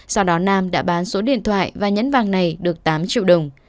sau đó nam đã bán số điện thoại và nhẫn vàng này được tám triệu đồng